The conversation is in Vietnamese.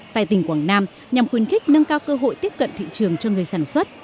tại tỉnh quảng nam nhằm khuyến khích nâng cao cơ hội tiếp cận thị trường cho người sản xuất